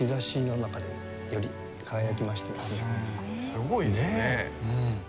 すごいですね。